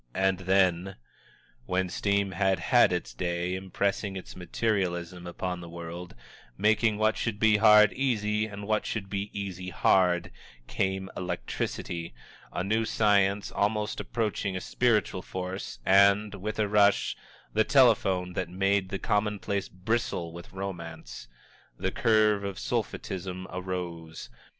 And then when steam had had its day, impressing its materialism upon the world; making what should be hard, easy, and what should be easy, hard came electricity a new science almost approaching a spiritual force, and, with a rush, the telephone that made the commonplace bristle with romance! The curve of sulphitism arose.